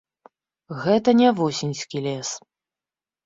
Гэта не восеньскі лес.